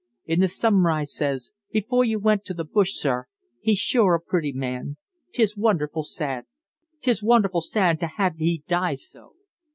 In th' summer I says, before you went t' th' bush, sir, he's sure a pretty man. 'Tis wonderful sad, 'tis wonderful sad t' have he die so."